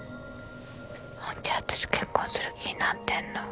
本気で私と結婚する気になってんの。